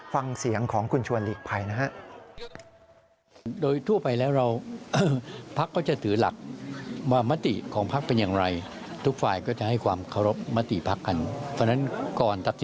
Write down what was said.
ฟังเสียงของคุณชวนฤกษ์ภัยนะครับ